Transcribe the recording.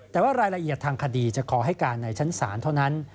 แต่ว่ารายละเอียดทางคดีจะขอให้การในชั้นศาลเท่านั้น